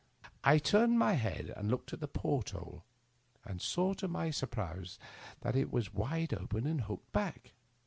I turned my head and looked at the port hole, and saw to my surprise that it was wide open and hooked back.